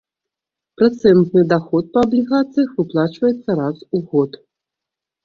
Працэнтны даход па аблігацыях выплачваецца раз у год.